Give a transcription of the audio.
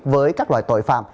với các loại tội phạm